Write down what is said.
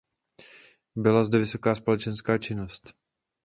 Byla zde vysoká sopečná činnost.